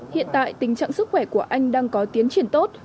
hiện tại tình trạng sức khỏe của anh đang có tiến triển tốt